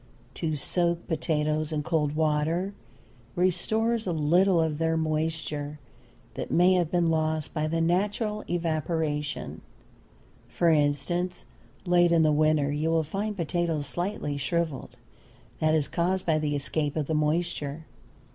To soak potatoes in cold water restores a little of their moisture that may have been lost by the natural evaporation. For instance, late in the winter you will find potatoes slightly shriveled. That is caused by the escape of the moisture.